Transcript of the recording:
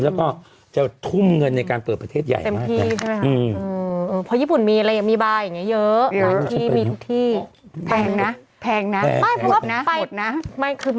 แล้วก็จะทุ่มเงินในการเปิดประเทศใหญ่มาก